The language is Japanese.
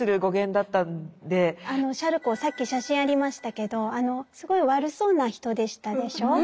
シャルコーさっき写真ありましたけどすごい悪そうな人でしたでしょ。